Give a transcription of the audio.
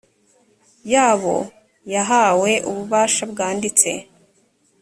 yabo yahawe ububasha bwanditse